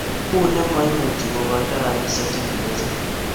uni mu maimuchi ko koito robinik che kibesen